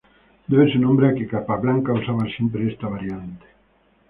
Debe su nombre a que Capablanca usaba siempre esta variante.